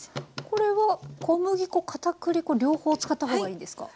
これは小麦粉片栗粉両方使った方がいいですか？